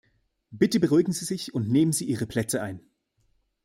Bitte beruhigen Sie sich, und nehmen Sie Ihre Plätze ein.